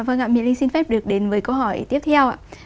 vâng ạ mỹ linh xin phép được đến với câu hỏi tiếp theo